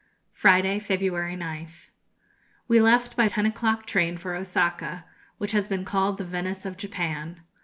Friday, February 9th. We left by ten o'clock train for Osaka, which has been called the Venice of Japan.